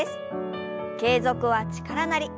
「継続は力なり」。